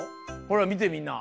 ほらみてみんな。